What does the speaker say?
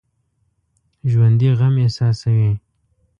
ژوندي غم احساسوي